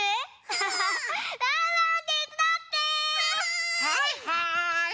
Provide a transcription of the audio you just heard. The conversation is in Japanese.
はいはい！